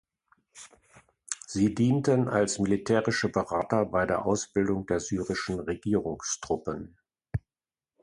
Sie dienten als militärische Berater bei der Ausbildung der syrischen Regierungstruppen.